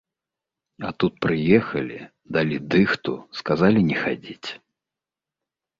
А тут прыехалі, далі дыхту, сказалі не хадзіць.